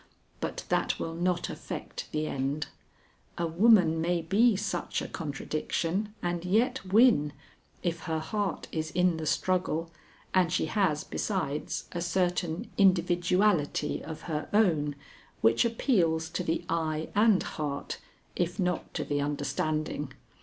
But that will not affect the end. A woman may be such a contradiction and yet win, if her heart is in the struggle and she has, besides, a certain individuality of her own which appeals to the eye and heart if not to the understanding.